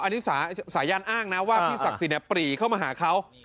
อันนี้สายันอ้างนะว่าพี่ศักดิ์สิทธิ์ปรีเข้ามาหาเขา